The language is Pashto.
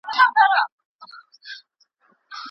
یا یې په برخه د لېوه داړي